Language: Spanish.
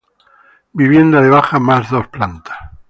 Vivienda de baja más dos plantas.